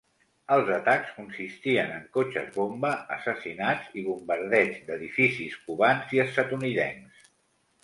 Els atacs consistien en cotxes bomba, assassinats i bombardeig d'edificis cubans i estatunidencs.